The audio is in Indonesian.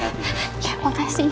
saya belum sempet berjumpa adiknya